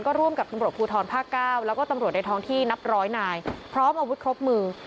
ร่วมกับตำรวจภูทรภาคเก้าแล้วก็ตำรวจในท้องที่นับร้อยนายพร้อมอาวุธครบมือ